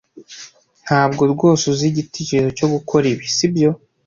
Ntabwo rwose uzi igitekerezo cyo gukora ibi, sibyo?